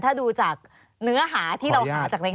ถ้าดูจากเนื้อหาที่เราหาจากรายงาน